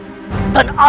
dan aku akan menangkapnya